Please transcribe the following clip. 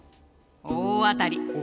大当たり！